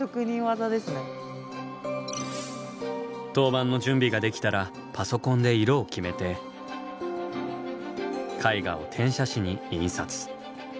陶板の準備ができたらパソコンで色を決めて絵画を転写紙に印刷。